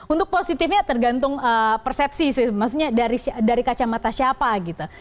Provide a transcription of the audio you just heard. untuk positifnya tergantung persepsi sih maksudnya dari kacamata siapa gitu